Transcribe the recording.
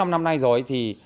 bốn năm năm nay rồi thì